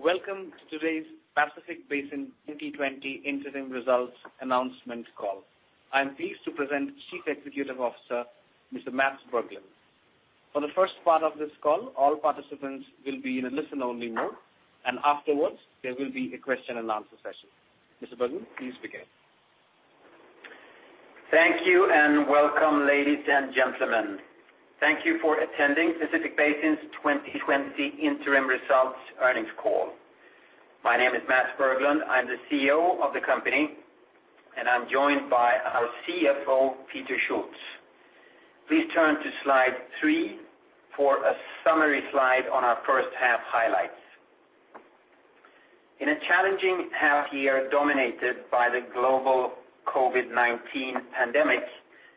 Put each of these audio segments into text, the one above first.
Welcome to today's Pacific Basin 2020 Interim Results Announcement call. I am pleased to present Chief Executive Officer, Mr. Mats Berglund. For the first part of this call, all participants will be in a listen-only mode, and afterwards, there will be a question and answer session. Mr. Berglund, please begin. Thank you, and welcome, ladies and gentlemen. Thank you for attending Pacific Basin's 2020 interim results earnings call. My name is Mats Berglund. I'm the CEO of the company, and I'm joined by our CFO, Peter Schulz. Please turn to slide three for a summary slide on our first half highlights. In a challenging half year dominated by the global COVID-19 pandemic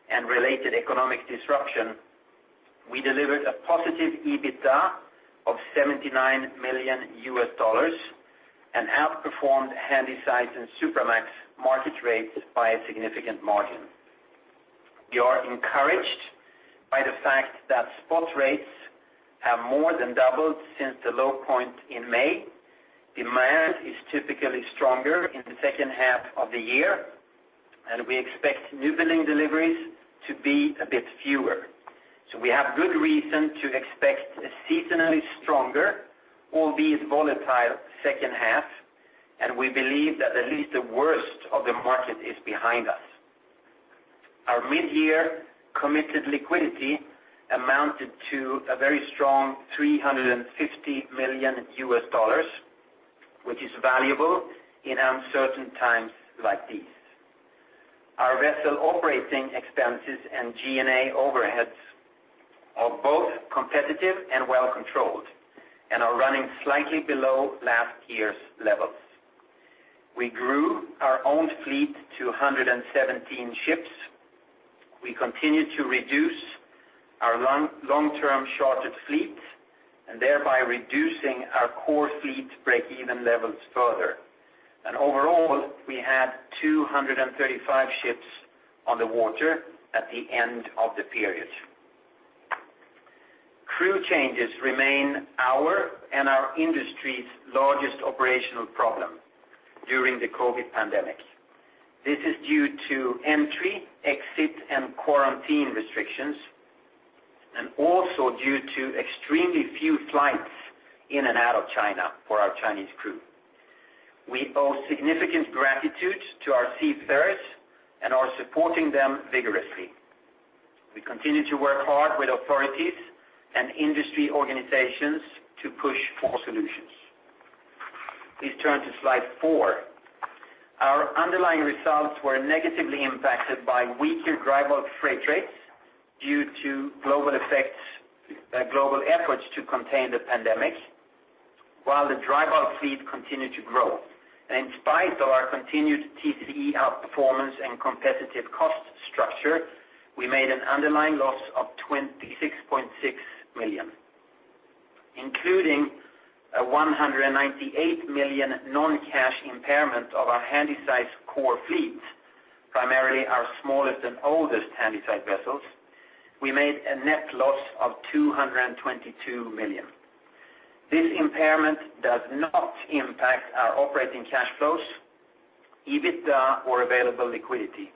and related economic disruption, we delivered a positive EBITDA of $79 million, and outperformed Handysize and Supramax market rates by a significant margin. We are encouraged by the fact that spot rates have more than doubled since the low point in May. Demand is typically stronger in the second half of the year, and we expect newbuilding deliveries to be a bit fewer. We have good reason to expect a seasonally stronger, albeit volatile second half, and we believe that at least the worst of the market is behind us. Our mid-year committed liquidity amounted to a very strong $350 million, which is valuable in uncertain times like these. Our vessel operating expenses and G&A overheads are both competitive and well controlled and are running slightly below last year's levels. We grew our owned fleet to 117 ships. We continue to reduce our long-term chartered fleet, and thereby reducing our core fleet breakeven levels further. Overall, we had 235 ships on the water at the end of the period. Crew changes remain our and our industry's largest operational problem during the COVID-19 pandemic. This is due to entry, exit, and quarantine restrictions, and also due to extremely few flights in and out of China for our Chinese crew. We owe significant gratitude to our seafarers and are supporting them vigorously. We continue to work hard with authorities and industry organizations to push for solutions. Please turn to Slide four. Our underlying results were negatively impacted by weaker dry bulk freight rates due to global efforts to contain the pandemic while the dry bulk fleet continued to grow. In spite of our continued TCE outperformance and competitive cost structure, we made an underlying loss of $26.6 million. Including a $198 million non-cash impairment of our Handysize core fleet, primarily our smallest and oldest Handysize vessels, we made a net loss of $222 million. This impairment does not impact our operating cash flows, EBITDA, or available liquidity,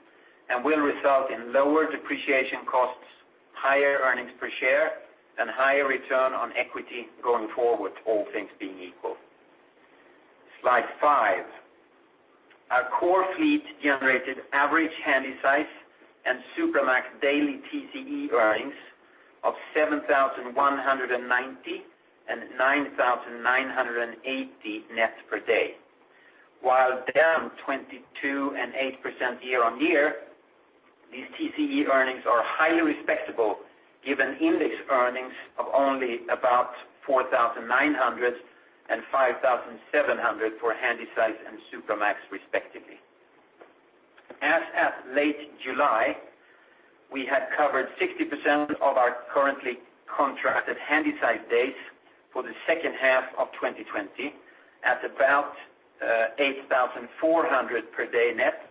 will result in lower depreciation costs, higher earnings per share, and higher return on equity going forward, all things being equal. Slide five. Our core fleet generated average Handysize and Supramax daily TCE earnings of $7,190 and $9,980 net per day. While down 22% and 8% year on year, these TCE earnings are highly respectable given index earnings of only about $4,900 and $5,700 for Handysize and Supramax, respectively. As at late July, we had covered 60% of our currently contracted Handysize days for the second half of 2020 at about $8,400 per day net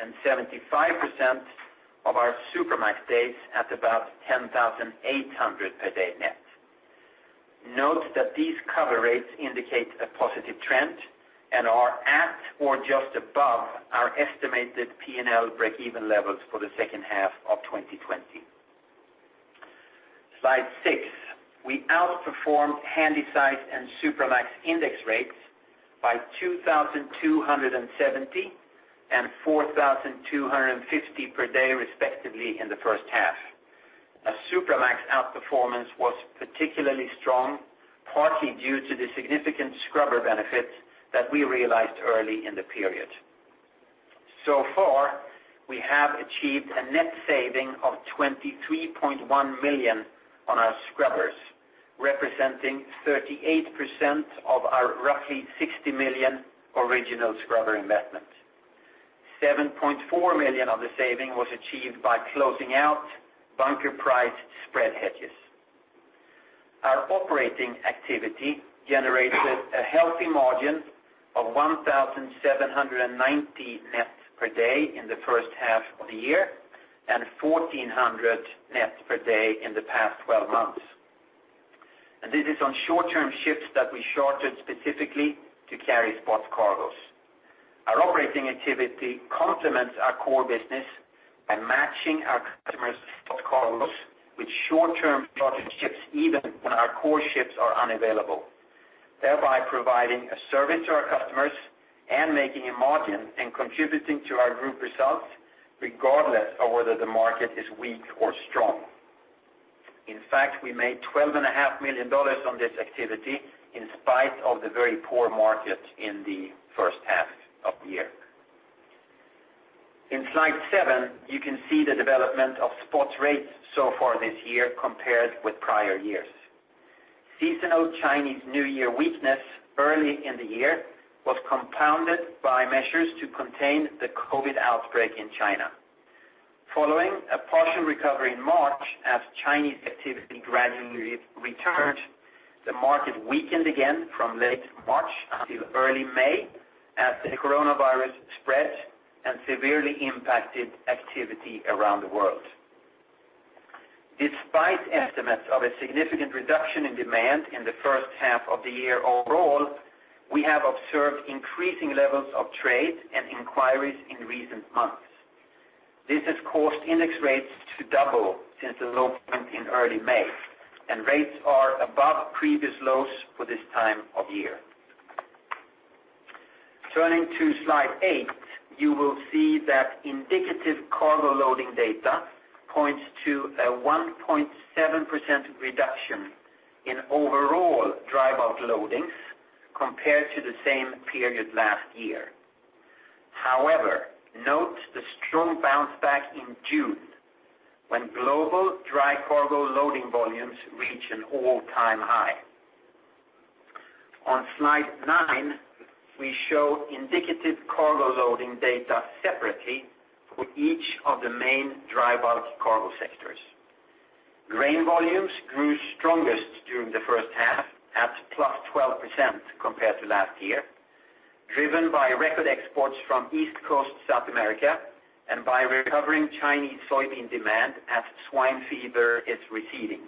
and 75% of our Supramax days at about $10,800 per day net. Note that these cover rates indicate a positive trend and are at or just above our estimated P&L breakeven levels for the second half of 2020. Slide six. We outperformed Handysize and Supramax index rates by $2,270 and $4,250 per day respectively in the first half. Our Supramax outperformance was particularly strong, partly due to the significant scrubber benefits that we realized early in the period. So far, we have achieved a net saving of $23.1 million on our scrubbers, representing 38% of our roughly $60 million original scrubber investment. $7.4 million of the saving was achieved by closing out bunker price spread hedges. Our operating activity generated a healthy margin of $1,790 net per day in the first half of the year and $1,400 net per day in the past 12 months. This is on short-term ships that we chartered specifically to carry spot cargoes. Our operating activity complements our core business by matching our customers' spot cargoes with short-term chartered ships even when our core ships are unavailable, thereby providing a service to our customers and making a margin and contributing to our group results, regardless of whether the market is weak or strong. In fact, we made $12.5 million on this activity in spite of the very poor market in the first half of the year. In slide seven, you can see the development of spot rates so far this year compared with prior years. Seasonal Chinese New Year weakness early in the year was compounded by measures to contain the COVID outbreak in China. Following a partial recovery in March as Chinese activity gradually returned, the market weakened again from late March until early May as the coronavirus spread and severely impacted activity around the world. Despite estimates of a significant reduction in demand in the first half of the year overall, we have observed increasing levels of trade and inquiries in recent months. This has caused index rates to double since the low point in early May, and rates are above previous lows for this time of year. Turning to slide eight, you will see that indicative cargo loading data points to a 1.7% reduction in overall dry bulk loadings compared to the same period last year. However, note the strong bounce back in June, when global dry cargo loading volumes reach an all-time high. On slide nine, we show indicative cargo loading data separately for each of the main dry bulk cargo sectors. Grain volumes grew strongest during the first half at +12% compared to last year, driven by record exports from East Coast South America and by recovering Chinese soybean demand as swine fever is receding.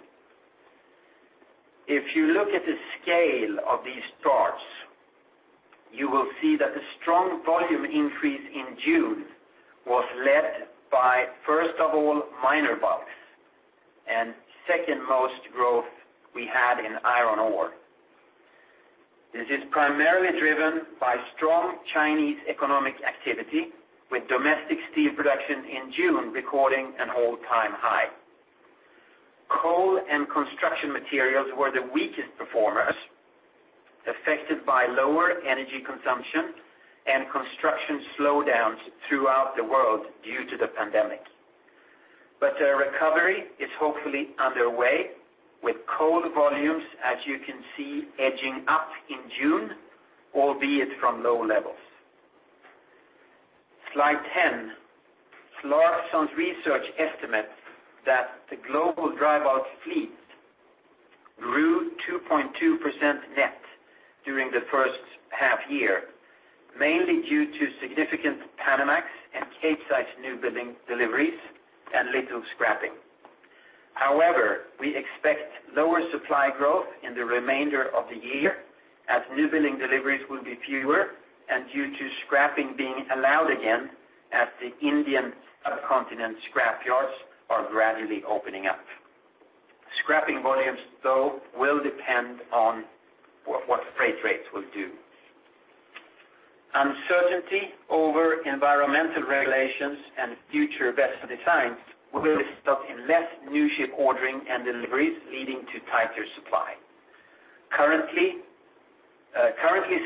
If you look at the scale of these charts, you will see that the strong volume increase in June was led by, first of all, minor bulks, and second most growth we had in iron ore. This is primarily driven by strong Chinese economic activity, with domestic steel production in June recording an all-time high. Coal and construction materials were the weakest performers, affected by lower energy consumption and construction slowdowns throughout the world due to the pandemic. A recovery is hopefully underway with coal volumes, as you can see, edging up in June, albeit from low levels. Slide 10. Clarksons Research estimates that the global dry bulk fleet grew 2.2% net during the first half year, mainly due to significant Panamax and Capesize new building deliveries and little scrapping. We expect lower supply growth in the remainder of the year as new building deliveries will be fewer and due to scrapping being allowed again as the Indian subcontinent scrapyards are gradually opening up. Scrapping volumes, though, will depend on what freight rates will do. Uncertainty over environmental regulations and future vessel designs will result in less new ship ordering and deliveries, leading to tighter supply. Currently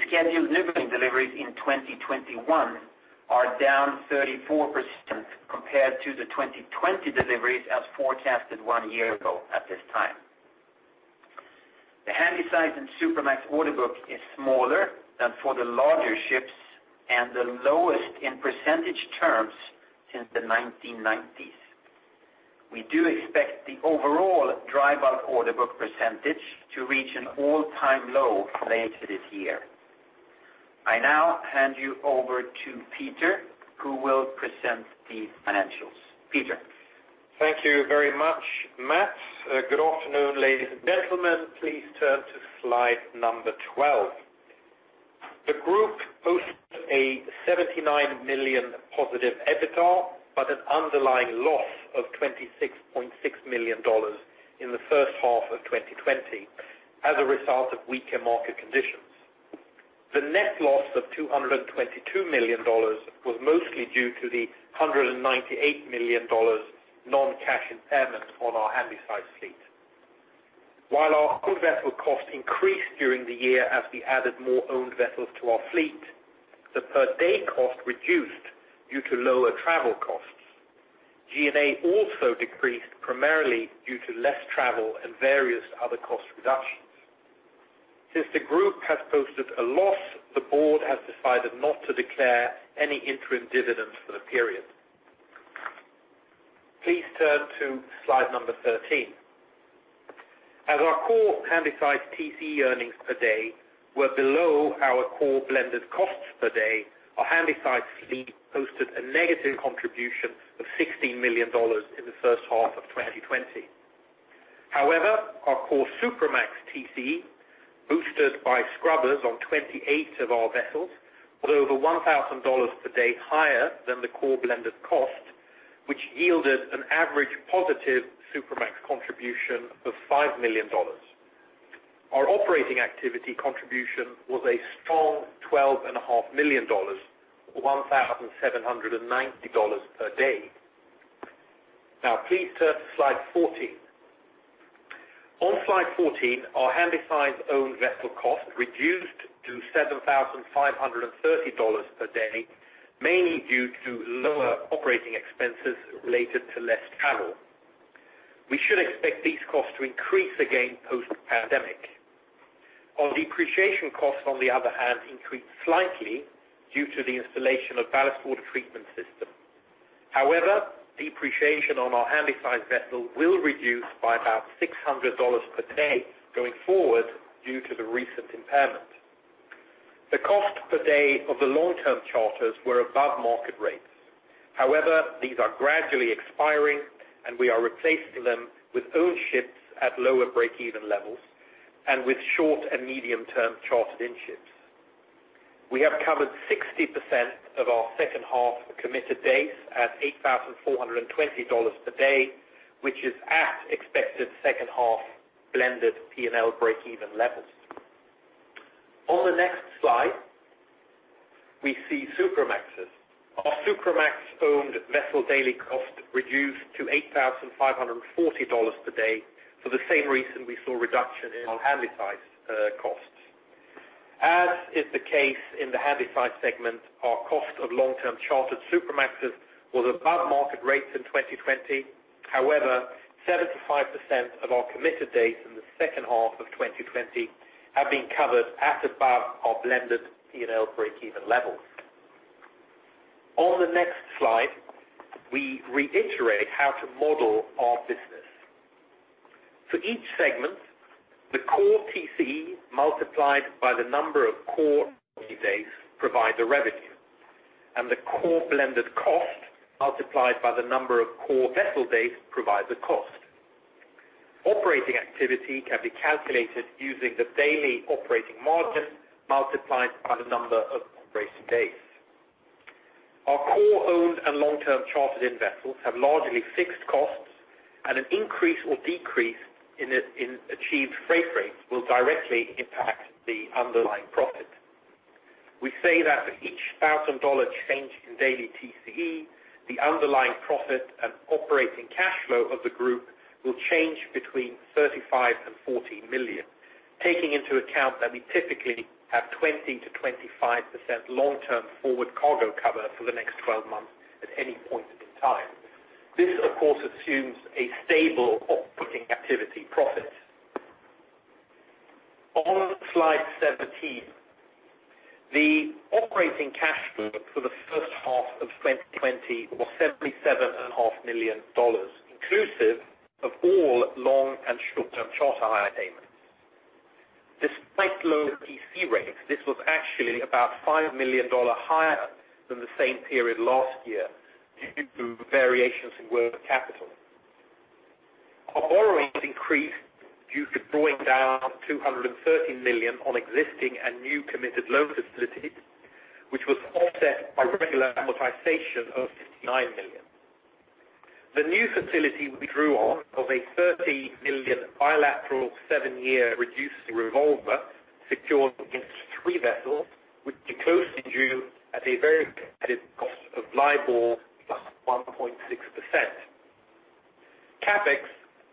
scheduled newbuilding deliveries in 2021 are down 34% compared to the 2020 deliveries as forecasted one year ago at this time. The Handysize and Supramax order book is smaller than for the larger ships and the lowest in percentage terms since the 1990s. We do expect the overall dry bulk order book percentage to reach an all-time low later this year. I now hand you over to Peter, who will present the financials. Peter. Thank you very much, Mats. Good afternoon, ladies and gentlemen. Please turn to slide number 12. The group posted a $79 million positive EBITDA, an underlying loss of $26.6 million in the first half of 2020 as a result of weaker market conditions. The net loss of $222 million was mostly due to the $198 million non-cash impairment on our Handysize fleet. While our whole vessel cost increased during the year as we added more owned vessels to our fleet, the per-day cost reduced due to lower travel costs. G&A also decreased primarily due to less travel and various other cost reductions. Since the group has posted a loss, the board has decided not to declare any interim dividends for the period. Please turn to slide number 13. As our core Handysize TCE earnings per day were below our core blended costs per day, our Handysize fleet posted a negative contribution of $16 million in the first half of 2020. Our core Supramax TCE, boosted by scrubbers on 28 of our vessels, were over $1,000 per day higher than the core blended cost, which yielded an average positive Supramax contribution of $5 million. Our operating activity contribution was a strong $12.5 million, or $1,790 per day. Now please turn to slide 14. On slide 14, our Handysize own vessel cost reduced to $7,530 per day, mainly due to lower operating expenses related to less travel. We should expect these costs to increase again post-pandemic. Our depreciation costs, on the other hand, increased slightly due to the installation of ballast water treatment system. Depreciation on our Handysize vessel will reduce by about $600 per day going forward, due to the recent impairment. The cost per day of the long-term charters were above market rates. These are gradually expiring, and we are replacing them with owned ships at lower breakeven levels, and with short and medium-term chartered in ships. We have covered 60% of our second half committed days at $8,420 per day, which is at expected second half blended P&L breakeven levels. On the next slide, we see Supramaxes. Our Supramax owned vessel daily cost reduced to $8,540 per day for the same reason we saw a reduction in our Handysize costs. As is the case in the Handysize segment, our cost of long-term chartered Supramaxes was above market rates in 2020. 75% of our committed days in the second half of 2020 have been covered at above our blended P&L breakeven levels. On the next slide, we reiterate how to model our business. For each segment, the core TCE multiplied by the number of core TCE days provide the revenue, and the core blended cost multiplied by the number of core vessel days provide the cost. Operating activity can be calculated using the daily operating margin multiplied by the number of operating days. Our core owned and long-term chartered-in vessels have largely fixed costs, and an increase or decrease in achieved freight rates will directly impact the underlying profit. We say that for each $1,000 change in daily TCE, the underlying profit and operating cash flow of the group will change between $35 million and $40 million, taking into account that we typically have 20%-25% long-term forward cargo cover for the next 12 months at any point in time. This, of course, assumes a stable operating activity profit. On slide 17, the operating cash flow for the first half of 2020 was $77.5 million, inclusive of all long and short-term charter hire payments. Despite low TCE rates, this was actually about $5 million higher than the same period last year, due to variations in working capital. Our borrowings increased due to drawing down $230 million on existing and new committed loan facilities, which was offset by regular amortization of $59 million. The new facility we drew on of a $30 million bilateral seven-year reducing revolver secured against three vessels, which matures in June at a very competitive cost of LIBOR plus 1.6%. CapEx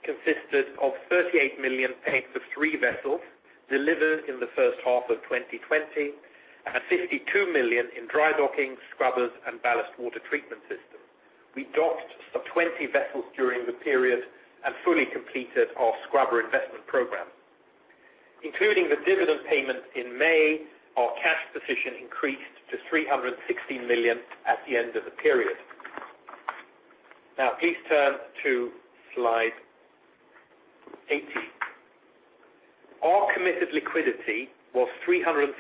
consisted of $38 million paid for three vessels delivered in the first half of 2020 and $52 million in dry docking, scrubbers, and ballast water treatment systems. We docked 20 vessels during the period and fully completed our scrubber investment program. Including the dividend payment in May, our cash position increased to $316 million at the end of the period. Please turn to slide 18. Our committed liquidity was $349.5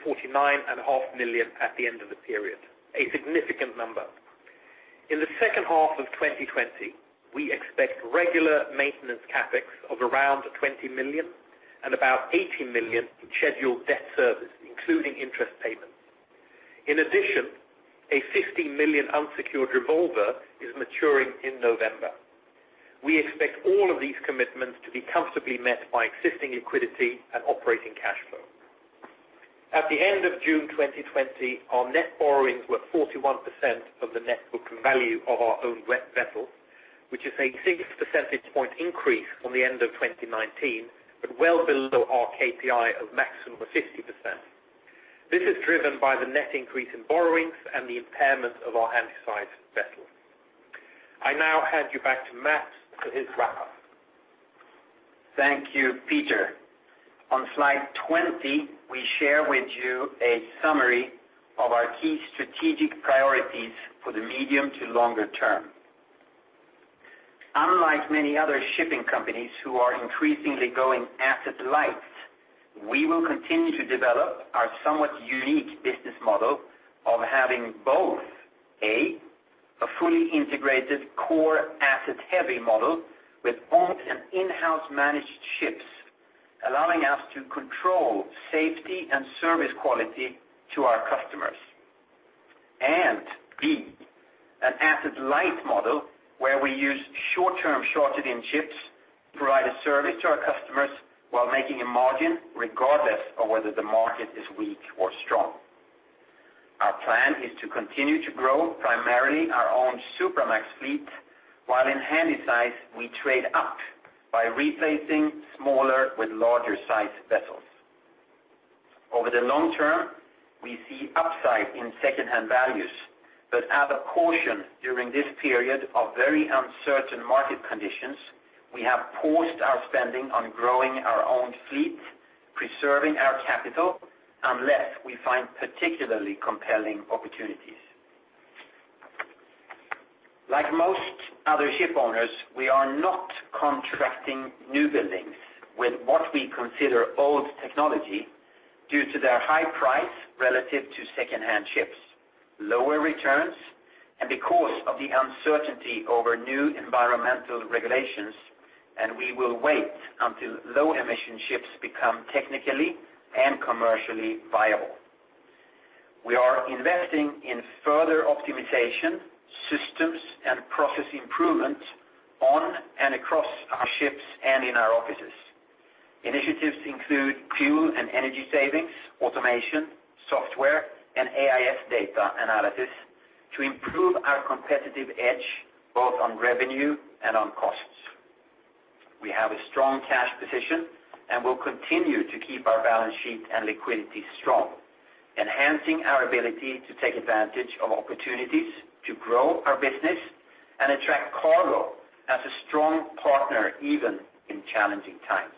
million at the end of the period, a significant number. In the second half of 2020, we expect regular maintenance CapEx of around $20 million and about $80 million in scheduled debt service, including interest payments. A $50 million unsecured revolver is maturing in November. We expect all of these commitments to be comfortably met by existing liquidity and operating cash flow. At the end of June 2020, our net borrowings were 41% of the net book value of our owned vessels, which is a six percentage point increase on the end of 2019, well below our KPI of maximum of 50%. This is driven by the net increase in borrowings and the impairment of our Handysize vessels. I now hand you back to Mats for his wrap-up. Thank you, Peter. On slide 20, we share with you a summary of our key strategic priorities for the medium to longer term. Unlike many other shipping companies who are increasingly going asset light, we will continue to develop our somewhat unique business model of having both, A, a fully integrated core asset heavy model with owned and in-house managed ships, allowing us to control safety and service quality to our customers. B, an asset light model where we use short-term shortage in ships to provide a service to our customers while making a margin, regardless of whether the market is weak or strong. Our plan is to continue to grow primarily our own Supramax fleet, while in Handysize we trade up by replacing smaller with larger sized vessels. Over the long term, we see upside in secondhand values, but as a caution during this period of very uncertain market conditions, we have paused our spending on growing our own fleet, preserving our capital, unless we find particularly compelling opportunities. Like most other ship owners, we are not contracting new buildings with what we consider old technology due to their high price relative to secondhand ships, lower returns, and because of the uncertainty over new environmental regulations, and we will wait until low emission ships become technically and commercially viable. We are investing in further optimization systems and process improvement on and across our ships and in our offices. Initiatives include fuel and energy savings, automation, software, and AIS data analysis to improve our competitive edge, both on revenue and on costs. We have a strong cash position and will continue to keep our balance sheet and liquidity strong, enhancing our ability to take advantage of opportunities to grow our business and attract cargo as a strong partner, even in challenging times.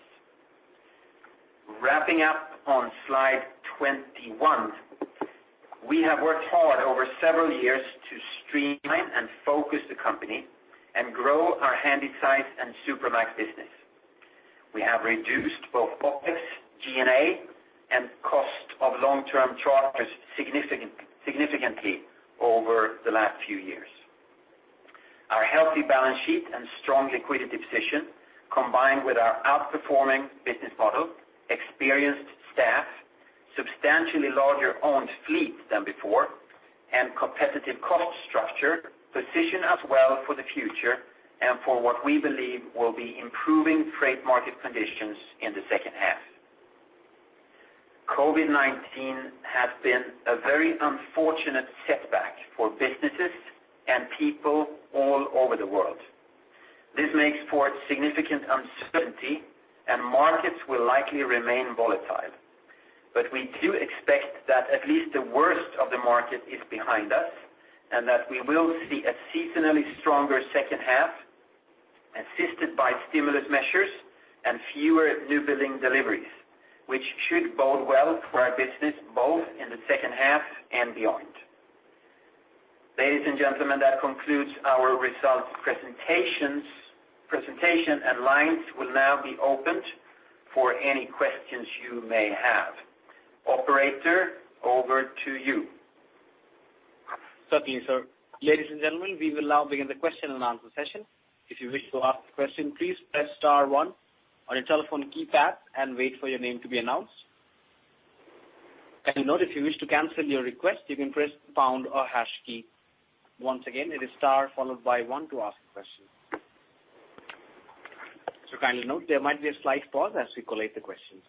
Wrapping up on slide 21. We have worked hard over several years to streamline and focus the company and grow our Handysize and Supramax business. We have reduced both OpEx, G&A, and cost of long-term charters significantly over the last few years. Our healthy balance sheet and strong liquidity position, combined with our outperforming business model, experienced staff, substantially larger owned fleet than before, and competitive cost structure, position us well for the future and for what we believe will be improving trade market conditions in the second half. COVID-19 has been a very unfortunate setback for businesses and people all over the world. This makes for significant uncertainty and markets will likely remain volatile. We do expect that at least the worst of the market is behind us, and that we will see a seasonally stronger second half assisted by stimulus measures and fewer new building deliveries, which should bode well for our business both in the second half and beyond. Ladies and gentlemen, that concludes our results presentation, and lines will now be opened for any questions you may have. Operator, over to you. Certainly, sir. Ladies and gentlemen, we will now begin the question and answer session. If you wish to ask a question, please press star one on your telephone keypad and wait for your name to be announced. Note, if you wish to cancel your request, you can press the pound or hash key. Once again, it is star followed by one to ask a question. Kindly note, there might be a slight pause as we collate the questions.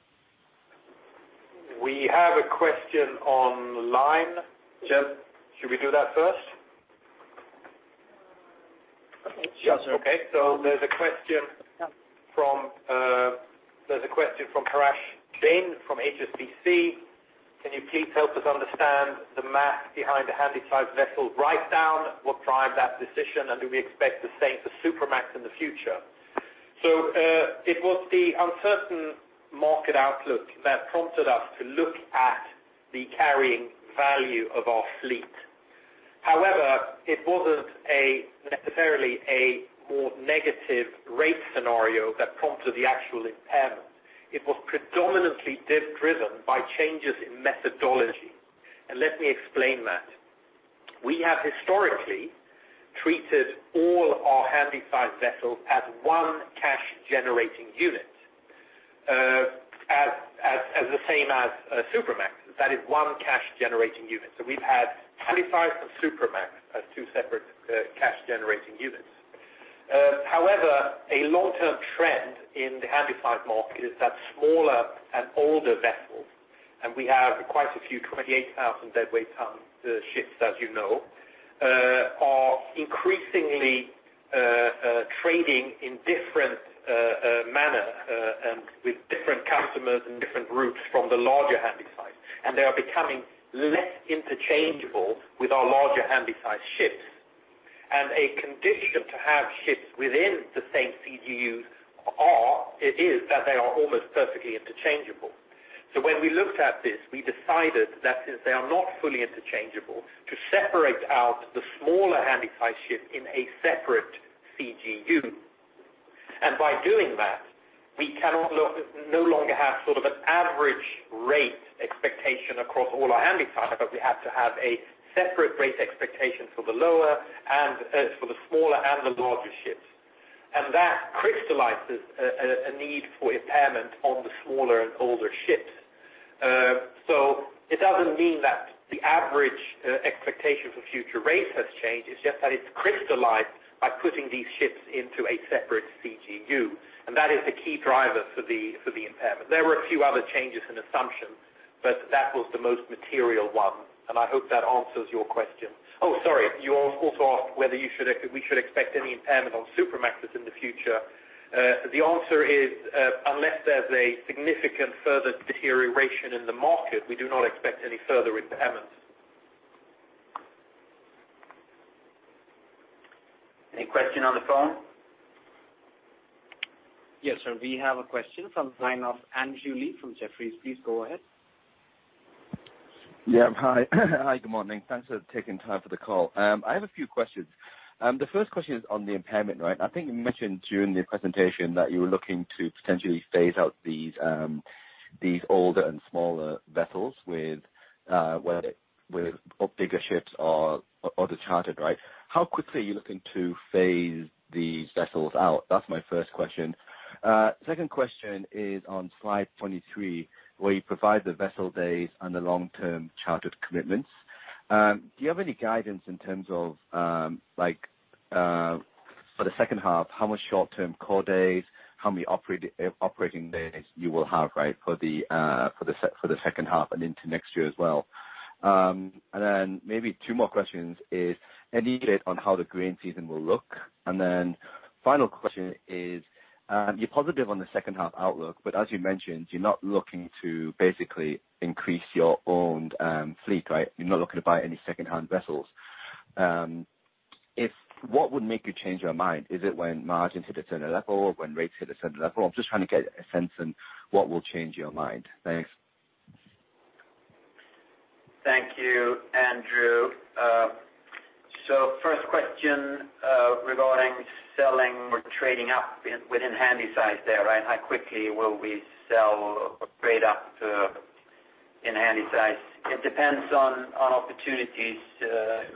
We have a question on the line. Yes. Should we do that first? Okay. Sure. Okay. There's a question from Parash Jain from HSBC. Can you please help us understand the math behind the Handysize vessel write down? What drive that decision, and do we expect the same for Supramax in the future? It was the uncertain market outlook that prompted us to look at the carrying value of our fleet. However, it wasn't necessarily a more negative rate scenario that prompted the actual impairment. It was predominantly driven by changes in methodology. Let me explain that. We have historically treated all our Handysize vessels as one cash generating unit, as the same as a Supramax. That is one cash generating unit. We've had Handysize and Supramax as two separate cash generating units. However, a long-term trend in the Handysize market is that smaller and older vessels, and we have quite a few 28,000 deadweight ton ships, as you know, are increasingly trading in different manner, and with different customers and different routes from the larger Handysize. They are becoming less interchangeable with our larger Handysize ships. A condition to have ships within the same CGU is that they are almost perfectly interchangeable. When we looked at this, we decided that since they are not fully interchangeable, to separate out the smaller Handysize ships in a separate CGU. By doing that, we can no longer have sort of an average rate expectation across all our Handysize, but we have to have a separate rate expectation for the smaller and the larger ships. That crystallizes a need for impairment on the smaller and older ships. It doesn't mean that the average expectation for future rates has changed. It's just that it's crystallized by putting these ships into a separate CGU, and that is the key driver for the impairment. There were a few other changes in assumptions, but that was the most material one, and I hope that answers your question. Oh, sorry. You also asked whether we should expect any impairment on Supramax in the future. The answer is, unless there's a significant further deterioration in the market, we do not expect any further impairments. Any question on the phone? Yes, sir. We have a question from the line of Andrew Lee from Jefferies. Please go ahead. Yeah. Hi. Hi. Good morning. Thanks for taking time for the call. I have a few questions. The first question is on the impairment. I think you mentioned during the presentation that you were looking to potentially phase out these older and smaller vessels with bigger ships are under chartered, right? How quickly are you looking to phase these vessels out? That's my first question. Second question is on slide 23, where you provide the vessel days and the long-term chartered commitments. Do you have any guidance in terms of, for the second half, how much short-term core days, how many operating days you will have for the second half and into next year as well? Maybe two more questions is any data on how the grain season will look? Final question is, you're positive on the second half outlook, but as you mentioned, you're not looking to basically increase your owned fleet, right? You're not looking to buy any second-hand vessels. What would make you change your mind? Is it when margins hit a certain level or when rates hit a certain level? I'm just trying to get a sense in what will change your mind. Thanks. Thank you, Andrew. First question regarding selling or trading up within Handysize there. How quickly will we sell or trade up in Handysize? It depends on opportunities.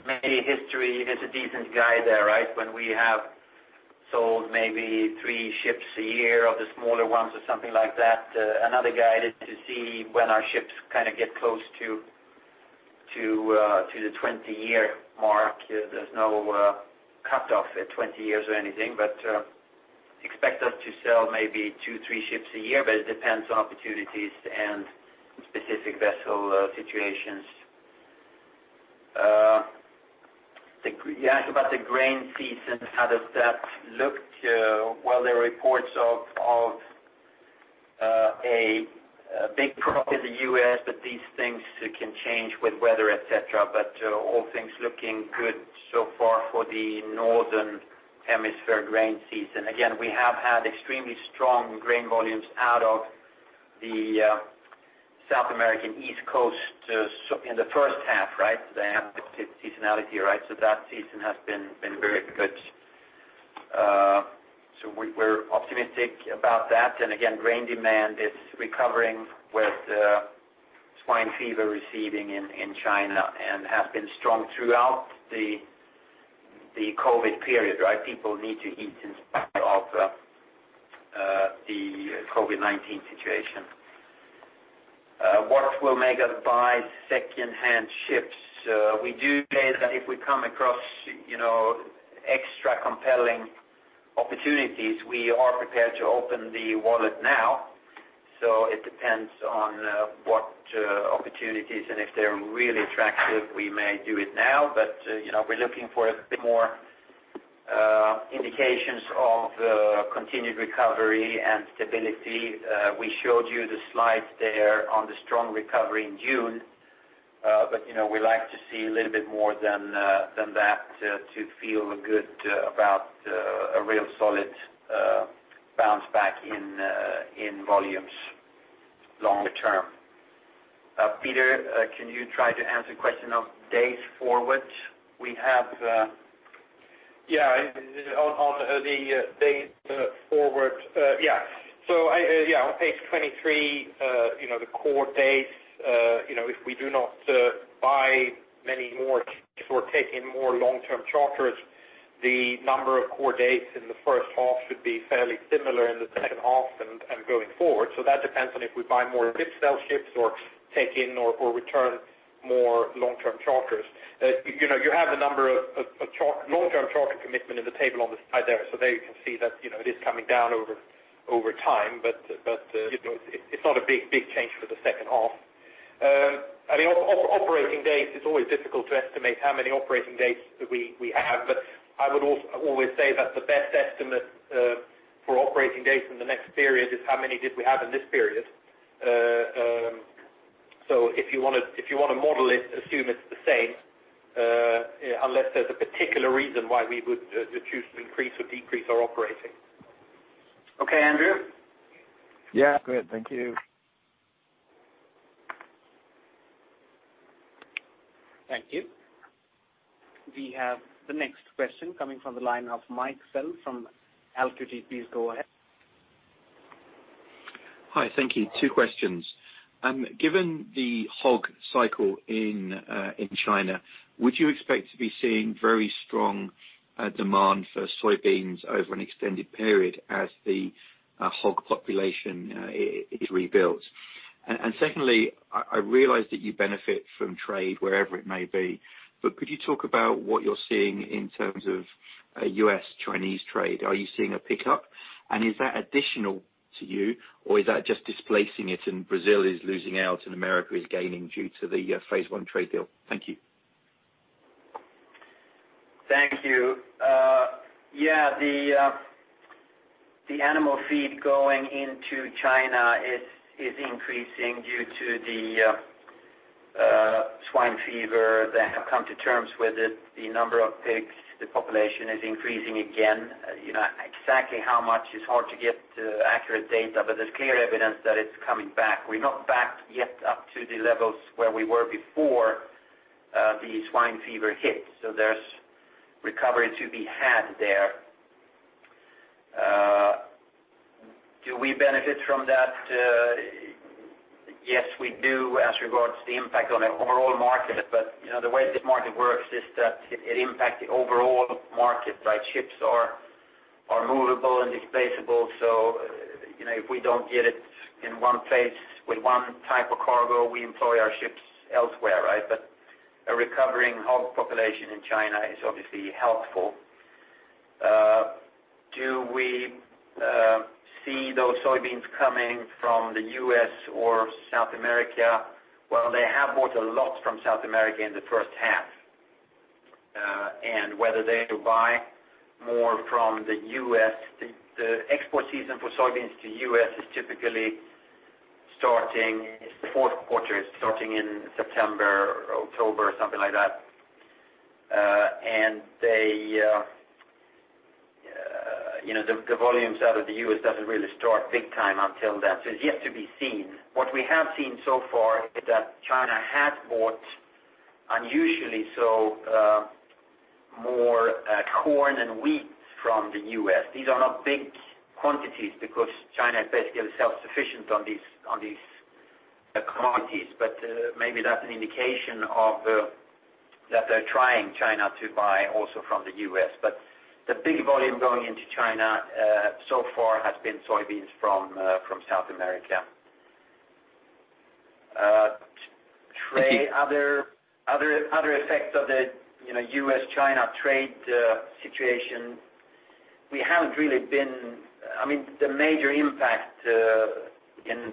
Mainly history is a decent guide there. When we have sold maybe three ships a year of the smaller ones or something like that. Another guide is to see when our ships kind of get close to the 20-year mark. There's no cutoff at 20 years or anything, but expect us to sell maybe two, three ships a year, but it depends on opportunities and specific vessel situations. You asked about the grain season, how does that look? There are reports of a big crop in the U.S., but these things can change with weather, et cetera. All things looking good so far for the Northern Hemisphere grain season. Again, we have had extremely strong grain volumes out of the South American East Coast in the first half. They have seasonality. That season has been very good. We're optimistic about that. Again, grain demand is recovering with swine fever receding in China and has been strong throughout the COVID-19 period, right? People need to eat in spite of the COVID-19 situation. What will make us buy second-hand ships? We do say that if we come across extra compelling opportunities, we are prepared to open the wallet now. It depends on what opportunities, and if they're really attractive, we may do it now. We're looking for a bit more indications of continued recovery and stability. We showed you the slide there on the strong recovery in June, but we like to see a little bit more than that to feel good about a real solid bounce back in volumes longer term. Peter, can you try to answer the question of days forward we have? Yeah. On the days forward. On page 23, the core dates, if we do not buy many more or take in more long-term charters, the number of core dates in the first half should be fairly similar in the second half and going forward. That depends on if we buy more deep-sell ships or take in or return more long-term charters. You have the number of long-term charter commitment in the table on the side there. It's not a big change for the second half. Operating days, it's always difficult to estimate how many operating days we have, but I would always say that the best estimate for operating days in the next period is how many did we have in this period. Okay. If you want to model it, assume it's the same, unless there's a particular reason why we would choose to increase or decrease our operating. Okay, Andrew? Yeah. Good. Thank you. Thank you. We have the next question coming from the line of Mike Sell from Alquity. Please go ahead. Hi. Thank you. Two questions. Given the hog cycle in China, would you expect to be seeing very strong demand for soybeans over an extended period as the hog population is rebuilt? Secondly, I realize that you benefit from trade wherever it may be, but could you talk about what you're seeing in terms of a U.S.-Chinese trade? Are you seeing a pickup, and is that additional to you, or is that just displacing it and Brazil is losing out and America is gaining due to the phase one trade deal? Thank you. Thank you. Yeah, the animal feed going into China is increasing due to the swine fever. They have come to terms with it. The number of pigs, the population is increasing again. Exactly how much is hard to get accurate data. There's clear evidence that it's coming back. We're not back yet up to the levels where we were before the swine fever hit. There's recovery to be had there. Do we benefit from that? Yes, we do as regards to the impact on the overall market. The way this market works is that it impacts the overall market. Ships are movable and displaceable. If we don't get it in one place with one type of cargo, we employ our ships elsewhere, right? A recovering hog population in China is obviously helpful. Do we see those soybeans coming from the U.S. or South America? Well, they have bought a lot from South America in the first half. Whether they go buy more from the U.S., the export season for soybeans to U.S. is typically starting its fourth quarter, starting in September or October, something like that. The volumes out of the U.S. doesn't really start big time until then. It's yet to be seen. What we have seen so far is that China has bought unusually so more corn and wheat from the U.S. These are not big quantities because China is basically self-sufficient on these commodities. Maybe that's an indication that they're trying, China, to buy also from the U.S. The big volume going into China so far has been soybeans from South America. Trade. Other effects of the U.S.-China trade situation. The major impact in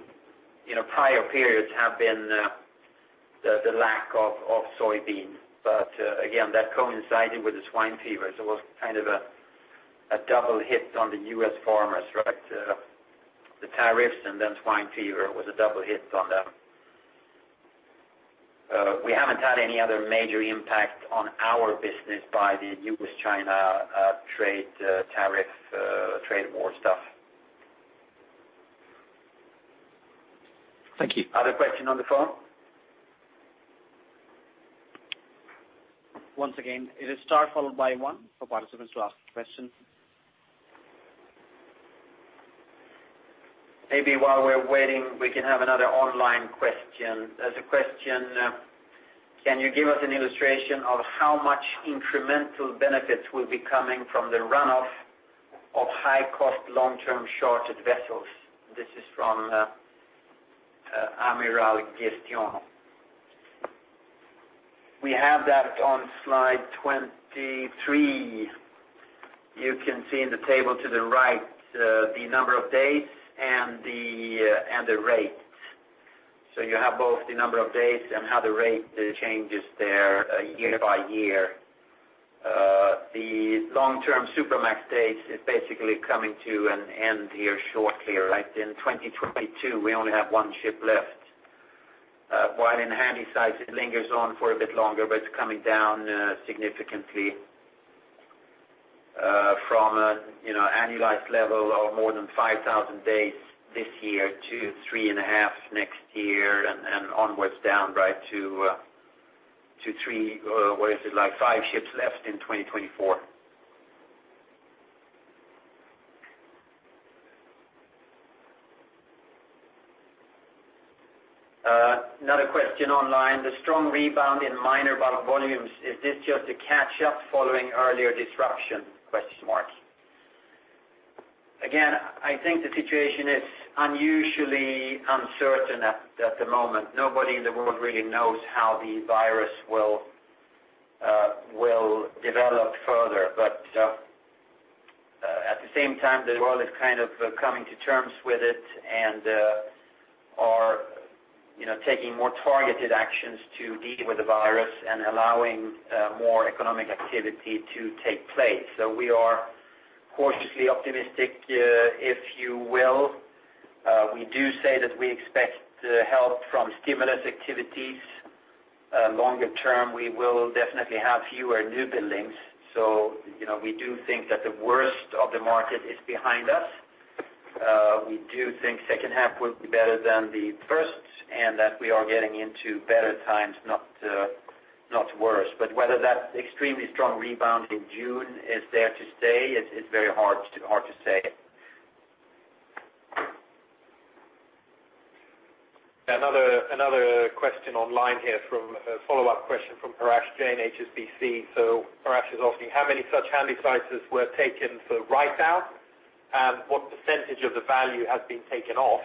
prior periods have been the lack of soybeans. Again, that coincided with the swine fever. It was kind of a double hit on the U.S. farmers, right? The tariffs and then swine fever was a double hit on them. We haven't had any other major impact on our business by the U.S.-China trade tariff, trade war stuff. Thank you. Other question on the phone? Once again, it is star followed by one for participants to ask questions. Maybe while we're waiting, we can have another online question. There's a question, can you give us an illustration of how much incremental benefits will be coming from the runoff of high-cost long-term charted vessels? This is from Amiral Gestion. We have that on slide 23. You can see in the table to the right, the number of days and the rate. You have both the number of days and how the rate changes there year by year. The long-term Supramax days is basically coming to an end here shortly, right, in 2022, we only have one ship left. While in Handysize, it lingers on for a bit longer, but it's coming down significantly from an annualized level of more than 5,000 days this year to three and a half next year and onwards down, right, to three, or what is it like, five ships left in 2024. Another question online. The strong rebound in minor bulk volumes, is this just a catch up following earlier disruption? I think the situation is unusually uncertain at the moment. Nobody in the world really knows how the virus will develop further. At the same time, the world is kind of coming to terms with it and are taking more targeted actions to deal with the virus and allowing more economic activity to take place. We are cautiously optimistic, if you will. We do say that we expect help from stimulus activities. Longer term, we will definitely have fewer newbuildings. We do think that the worst of the market is behind us. We do think second half will be better than the first, and that we are getting into better times, not worse. Whether that extremely strong rebound in June is there to stay is very hard to say. Another question online here, a follow-up question from Parash Jain, HSBC. Parash is asking, how many such Handysize were taken for write down, and what percentage of the value has been taken off?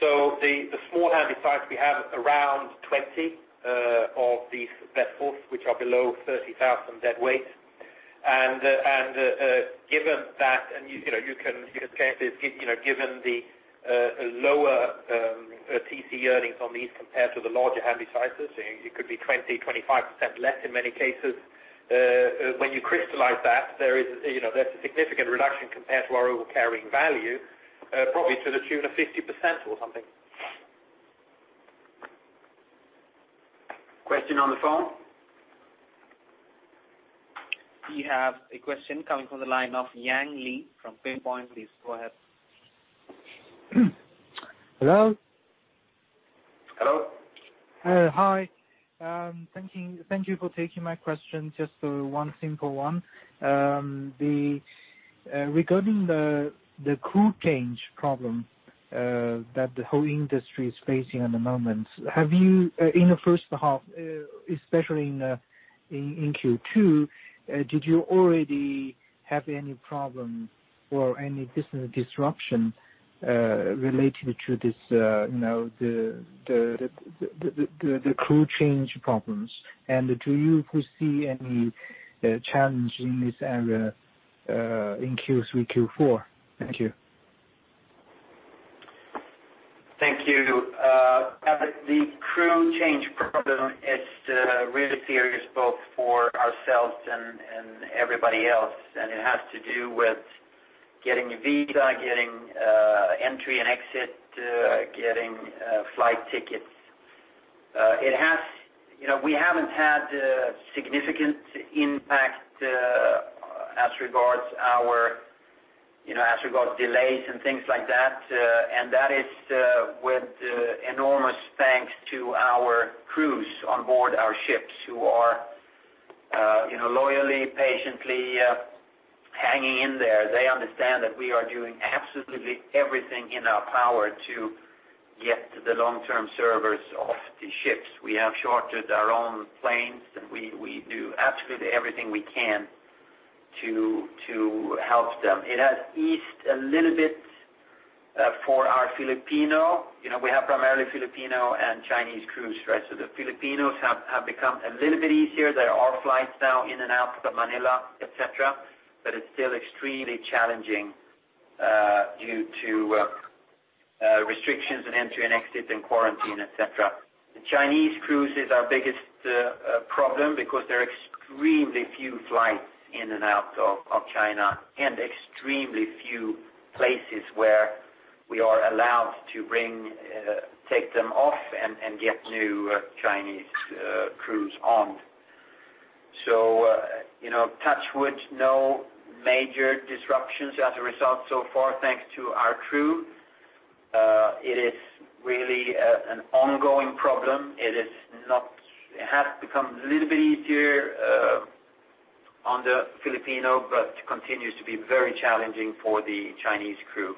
The small Handysize, we have around 20 of these vessels, which are below 30,000 deadweight. Given the lower TC earnings on these compared to the larger Handysize, it could be 20%, 25% less in many cases. When you crystallize that, there is a significant reduction compared to our overall carrying value, probably to the tune of 50% or something. Question on the phone? We have a question coming from the line of Yang Liu from Pinpoint. Please go ahead. Hello? Hello. Hi. Thank you for taking my question. Just one simple one. Regarding the crew change problem that the whole industry is facing at the moment. In the first half, especially in Q2, did you already have any problems or any business disruption related to the crew change problems, and do you foresee any challenge in this area in Q3, Q4? Thank you. Thank you. The crew change problem is really serious both for ourselves and everybody else, and it has to do with getting a visa, getting entry and exit, getting flight tickets. We haven't had a significant impact as regards delays and things like that, and that is with enormous thanks to our crews on board our ships, who are loyally, patiently hanging in there. They understand that we are doing absolutely everything in our power to get the long-term servers off the ships. We have chartered our own planes, and we do absolutely everything we can to help them. It has eased a little bit for our Filipino. We have primarily Filipino and Chinese crews. The Filipinos have become a little bit easier. There are flights now in and out of Manila, et cetera, but it's still extremely challenging due to restrictions on entry and exit and quarantine, et cetera. The Chinese crews is our biggest problem because there are extremely few flights in and out of China, and extremely few places where we are allowed to take them off and get new Chinese crews on. Touch wood, no major disruptions as a result so far, thanks to our crew. It is really an ongoing problem. It has become a little bit easier on the Filipino, but continues to be very challenging for the Chinese crew.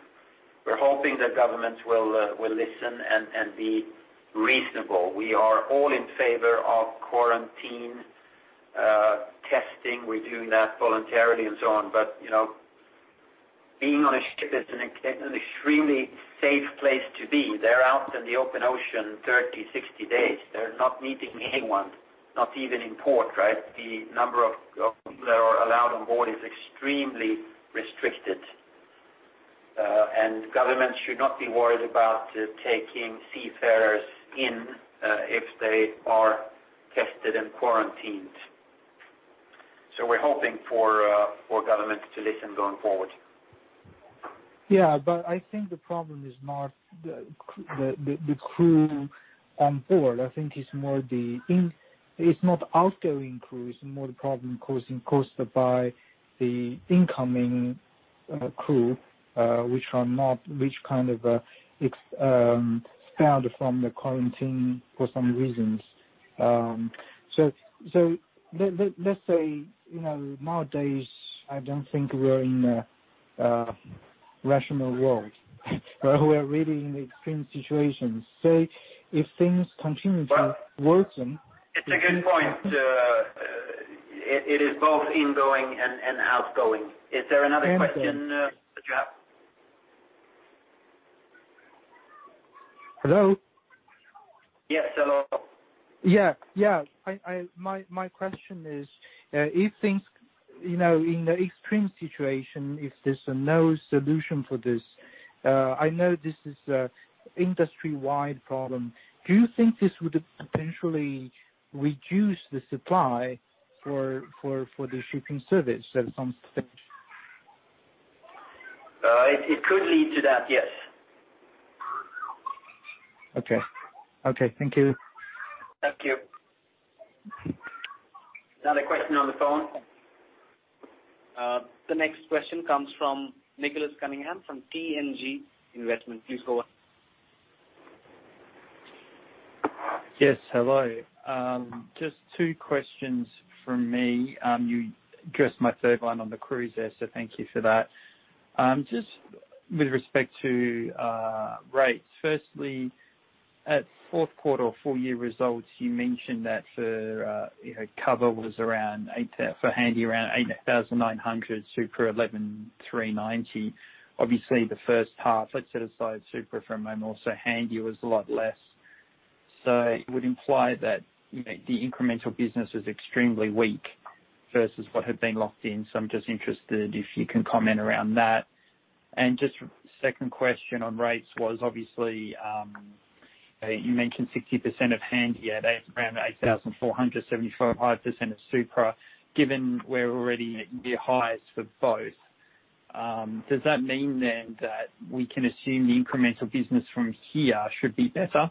We are hoping that governments will listen and be reasonable. We are all in favor of quarantine testing. We are doing that voluntarily and so on. Being on a ship is an extremely safe place to be. They are out in the open ocean, 30, 60 days. They are not meeting anyone, not even in port, right? The number of people that are allowed on board is extremely restricted. Governments should not be worried about taking seafarers in if they are tested and quarantined. We are hoping for governments to listen going forward. I think the problem is not the crew on board. I think it is not the outgoing crew. It is more the problem caused by the incoming crew which kind of expelled from the quarantine for some reasons. Let's say, nowadays, I don't think we are in a rational world where we are really in extreme situations. If things continue to worsen. It's a good point. It is both ingoing and outgoing. Is there another question that you have? Hello? Yes. Hello. Yeah. My question is, in the extreme situation, is there no solution for this? I know this is an industry-wide problem. Do you think this would potentially reduce the supply for the shipping service at some stage? It could lead to that, yes. Okay. Thank you. Thank you. Another question on the phone. The next question comes from Nicholas Cunningham from TNG Investment. Please go on. Yes, hello. Just 2 questions from me. You addressed my 3rd one on the cruise there, thank you for that. With respect to rates. At 4th quarter or full year results, you mentioned that for cover was around, for Handy, around $8,900, Supra $11,390. The 1st half, let's set aside Supra for a moment. Handy was a lot less. It would imply that the incremental business was extremely weak versus what had been locked in. I'm just interested if you can comment around that. Just 2nd question on rates was, you mentioned 60% of Handy at around $8,400 and 75% Of Supra, given we're already near highs for both, does that mean that we can assume the incremental business from here should be better?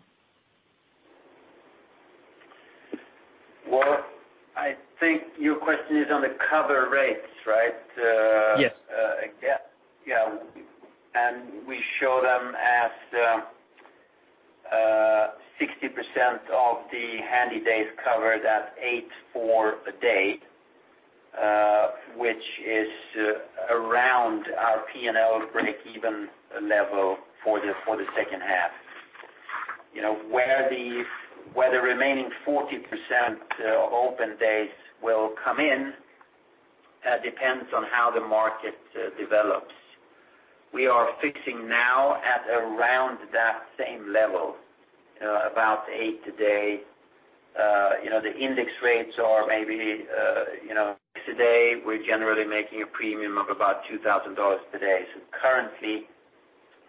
Well, I think your question is on the cover rates, right? Yes. Yeah. We show them as 60% of the Handy days covered at $8,400 a day, which is around our P&L breakeven level for the second half. Where the remaining 40% open days will come in depends on how the market develops. We are fixing now at around that same level, about $8,000 a day. The index rates are maybe a day. We're generally making a premium of about $2,000 today. Currently,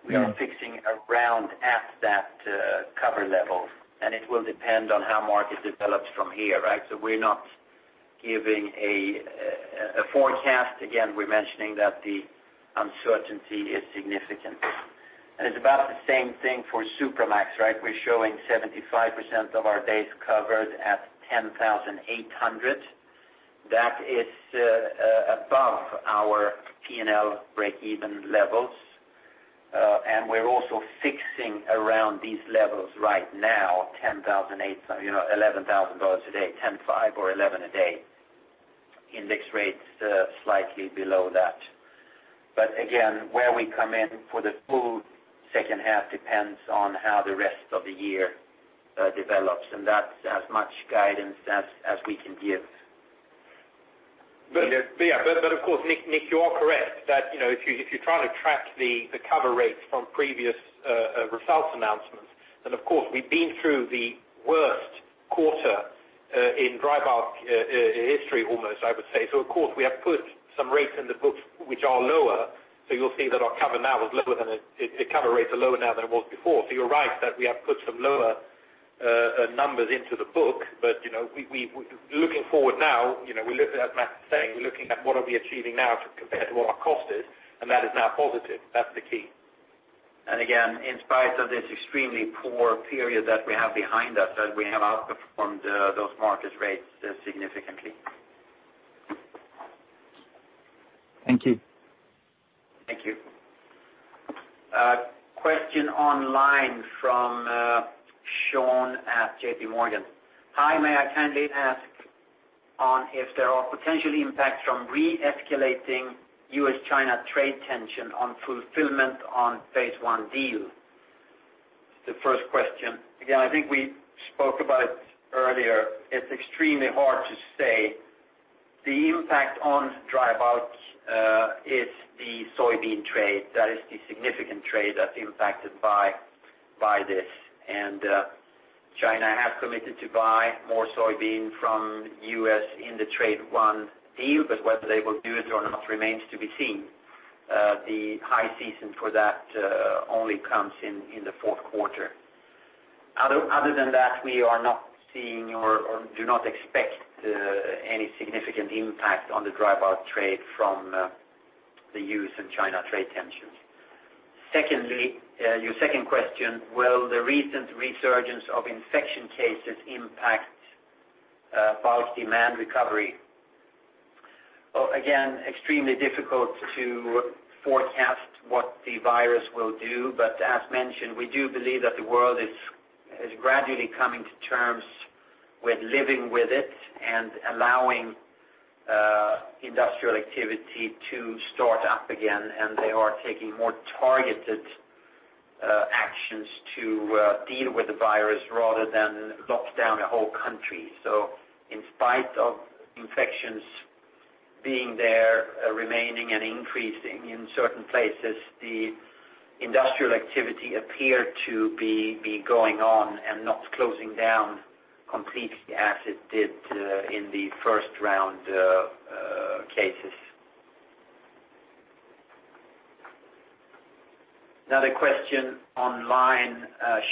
we are fixing around at that cover level, and it will depend on how market develops from here. We're not giving a forecast. Again, we're mentioning that the uncertainty is significant. It's about the same thing for Supramax. We're showing 75% of our days covered at $10,800. That is above our P&L breakeven levels. We are also fixing around these levels right now, $11,000 a day, $10,500 or $11,000 a day. Index rates slightly below that. Again, where we come in for the full second half depends on how the rest of the year develops, and that's as much guidance as we can give. Of course, Nick, you are correct, that if you're trying to track the cover rates from previous results announcements, then, of course, we've been through the worst quarter in dry bulk history almost, I would say. Of course, we have put some rates in the books which are lower. You'll see that the cover rates are lower now than it was before. You're right that we have put some lower numbers into the book, looking forward now, as Mats is saying, we're looking at what are we achieving now compared to what our cost is, that is now positive. That's the key. Again, in spite of this extremely poor period that we have behind us, that we have outperformed those market rates significantly. Thank you. Thank you. Question online from Sean at JPMorgan. "Hi, may I kindly ask on if there are potential impacts from re-escalating U.S.-China trade tension on fulfillment on phase one deal?" The first question. Again, I think we spoke about it earlier. It is extremely hard to say. The impact on dry bulk is the soybean trade. That is the significant trade that is impacted by this. China have committed to buy more soybean from U.S. in the trade one deal, but whether they will do it or not remains to be seen. The high season for that only comes in the fourth quarter. Other than that, we are not seeing or do not expect any significant impact on the dry bulk trade from the U.S. and China trade tensions. Secondly, your second question, will the recent resurgence of infection cases impact bulk demand recovery? Well, again, extremely difficult to forecast what the virus will do. As mentioned, we do believe that the world is gradually coming to terms with living with it and allowing industrial activity to start up again, and they are taking more targeted actions to deal with the virus rather than lock down a whole country. In spite of infections being there, remaining and increasing in certain places, the industrial activity appear to be going on and not closing down completely as it did in the first round cases. Another question online,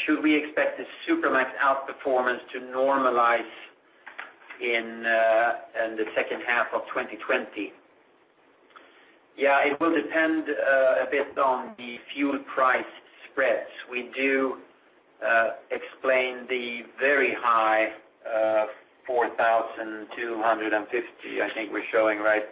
should we expect the Supramax outperformance to normalize in the second half of 2020? It will depend a bit on the fuel price spreads. We do explain the very high $4,250, I think we're showing right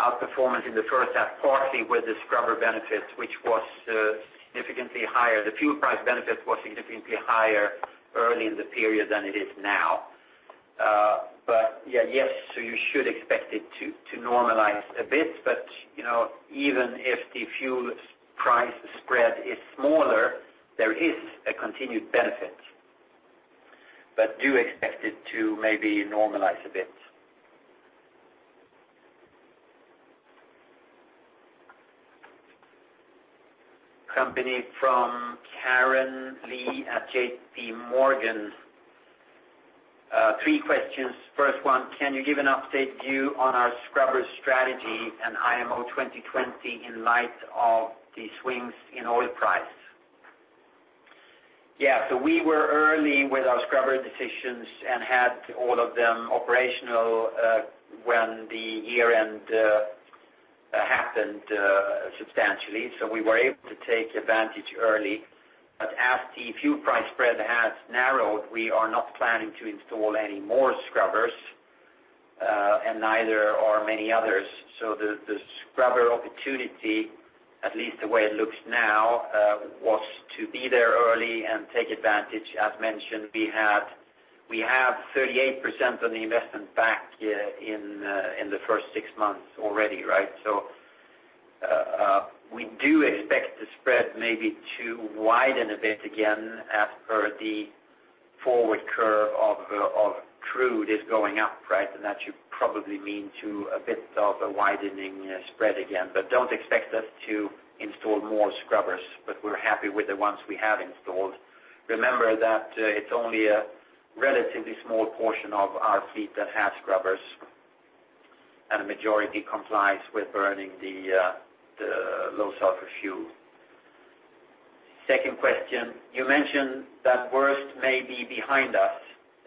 outperformance in the first half, partly with the scrubber benefits, which was significantly higher. The fuel price benefit was significantly higher early in the period than it is now. Yeah, yes, you should expect it to normalize a bit. Even if the fuel price spread is smaller, there is a continued benefit. Do expect it to maybe normalize a bit. Company from Karen Li at JPMorgan. Three questions. First one, can you give an update view on our scrubber strategy and IMO 2020 in light of the swings in oil price? Yeah, we were early with our scrubber decisions and had all of them operational when the year-end happened, substantially. We were able to take advantage early. As the fuel price spread has narrowed, we are not planning to install any more scrubbers, and neither are many others. The scrubber opportunity, at least the way it looks now, was to be there early and take advantage. As mentioned, we have 38% of the investment back in the first six months already, right? We do expect the spread maybe to widen a bit again as per the forward curve of crude is going up, right? That should probably mean to a bit of a widening spread again. Don't expect us to install more scrubbers, but we're happy with the ones we have installed. Remember that it's only a relatively small portion of our fleet that has scrubbers, and a majority complies with burning the low sulfur fuel. Second question, you mentioned that worst may be behind us.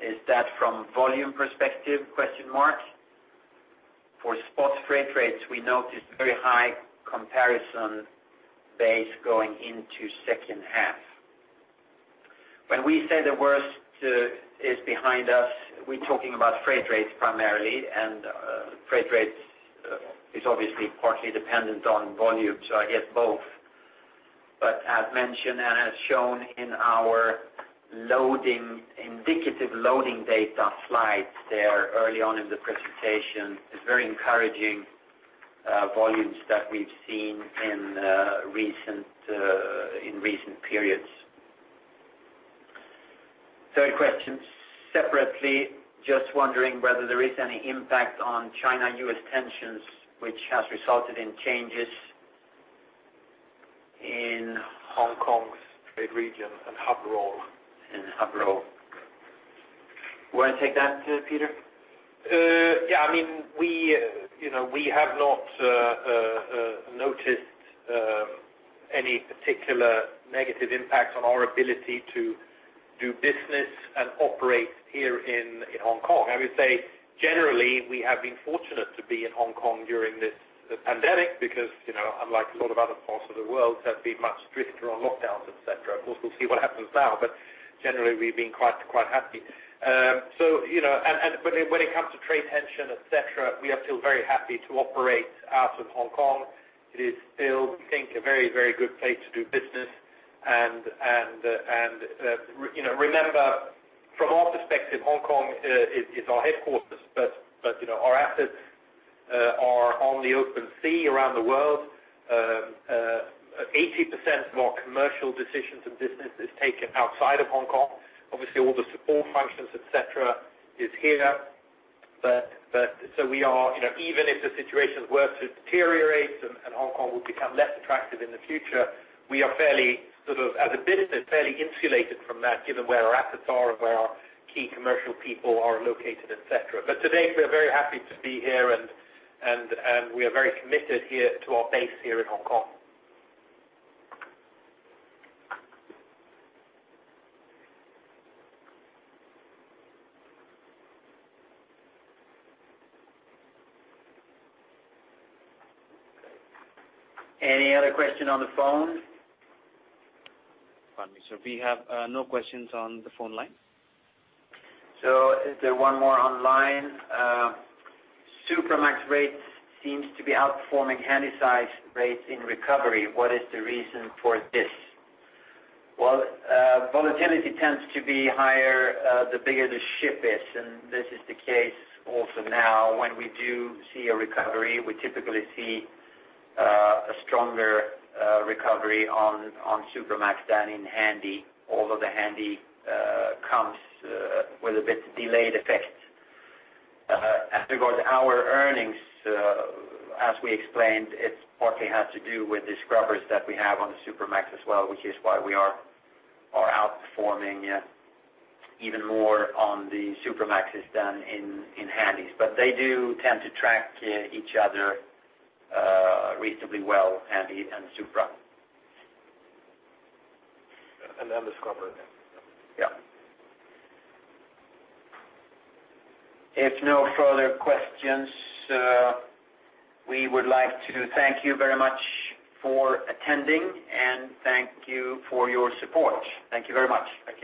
Is that from volume perspective? For spot freight rates, we noticed very high comparison base going into second half. When we say the worst is behind us, we're talking about freight rates primarily, and freight rates is obviously partly dependent on volume, I guess both. As mentioned and as shown in our indicative loading data slides there early on in the presentation, it's very encouraging volumes that we've seen in recent periods. Third question, separately, just wondering whether there is any impact on China-U.S. tensions which has resulted in changes in Hong Kong's trade region and hub role. You want to take that, Peter? Yeah, we have not noticed any particular negative impact on our ability to do business and operate here in Hong Kong. I would say, generally, we have been fortunate to be in Hong Kong during this pandemic because unlike a lot of other parts of the world, there's been much stricter lockdowns, et cetera. Of course, we'll see what happens now, but generally, we've been quite happy. When it comes to trade tension, et cetera, we are still very happy to operate out of Hong Kong. It is still, we think, a very good place to do business. Remember, from our perspective, Hong Kong is our headquarters, but our assets are on the open sea around the world. 80% of our commercial decisions and business is taken outside of Hong Kong. Obviously, all the support functions, et cetera, is here. Even if the situation were to deteriorate and Hong Kong would become less attractive in the future, we are fairly, as a business, fairly insulated from that given where our assets are and where our key commercial people are located, et cetera. To date, we are very happy to be here and we are very committed here to our base here in Hong Kong. Any other question on the phone? Pardon me, sir. We have no questions on the phone line. Is there one more online? Supramax rates seems to be outperforming Handysize rates in recovery. What is the reason for this? Volatility tends to be higher the bigger the ship is, and this is the case also now when we do see a recovery, we typically see a stronger recovery on Supramax than in Handy, although the Handy comes with a bit delayed effect. As regards our earnings, as we explained, it partly has to do with the scrubbers that we have on the Supramax as well, which is why we are outperforming even more on the Supramaxes than in Handys. They do tend to track each other reasonably well, Handy and Supra. The scrubber. Yeah. If no further questions, we would like to thank you very much for attending, and thank you for your support. Thank you very much. Thank you.